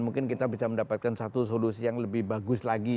mungkin kita bisa mendapatkan satu solusi yang lebih bagus lagi